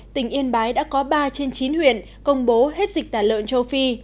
tỉnh yên bái đã có ba trên chín huyện công bố hết dịch tả lợn châu phi